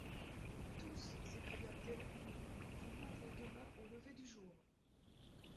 Tous, s’écria Kai-Koumou, vous mourrez demain au lever du jour!